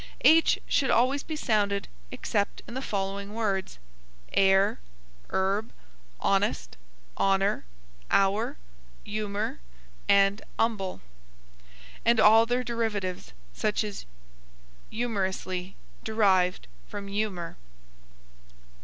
H should always be sounded except in the following words: heir, herb, honest, honor, hour, humor, and humble, and all their derivatives, such as humorously, derived from humor.